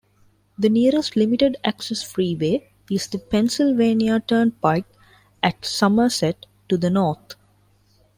The nearest limited-access freeway is the Pennsylvania Turnpike at Somerset, to the north.